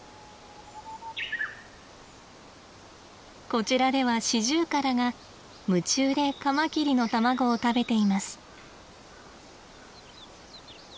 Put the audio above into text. こちらではシジュウカラが夢中でカマキリの卵を食べています。